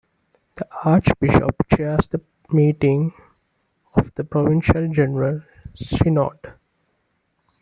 The Archbishop chairs the meeting of the Provincial General Synod.